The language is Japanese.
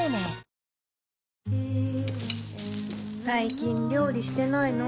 最近料理してないの？